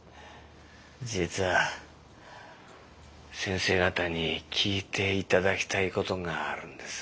実は先生方に聞いて頂きたい事があるんです。